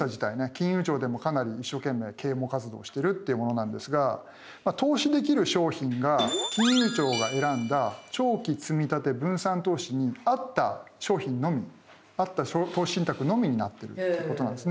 金融庁でもかなり一生懸命啓蒙活動をしてるってものなんですが投資できる商品が金融庁が選んだ長期積立分散投資に合った商品のみ合った投資信託のみになってるっていうことなんですね。